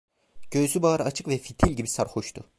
Göğsü bağrı açık ve fitil gibi sarhoştu.